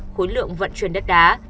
khối lượng vận chuyển đất đá